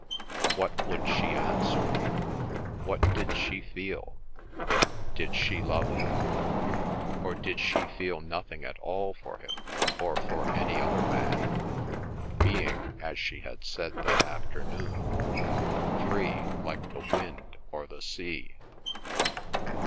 What would she answer? What did she feel? Did she love him, or did she feel nothing at all for him or for any other man, being, as she had said that afternoon, free, like the wind or the sea?